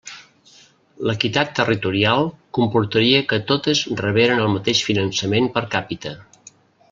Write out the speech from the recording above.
L'equitat territorial comportaria que totes reberen el mateix finançament per càpita.